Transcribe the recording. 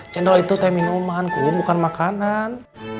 cendol itu teh minuman kum bukan makanan